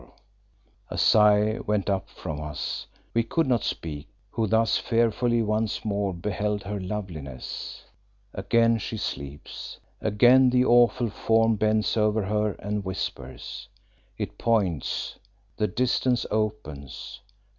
A sigh went up from us; we could not speak who thus fearfully once more beheld her loveliness. Again she sleeps, again the awful form bends over her and whispers. It points, the distance opens.